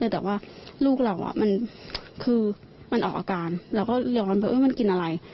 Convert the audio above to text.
แต่ว่าลูกเรามันคือมันออกอาการเราก็หอนไปมันกินอะไร